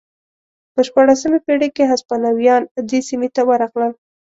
په شپاړسمې پېړۍ کې هسپانویان دې سیمې ته ورغلل.